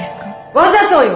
わざとよ！